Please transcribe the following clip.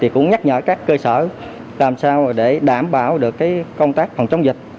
cũng nhắc nhở các cơ sở làm sao để đảm bảo được công tác phòng chống dịch